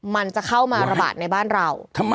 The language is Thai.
มันจะเข้ามาระบาดในบ้านเรา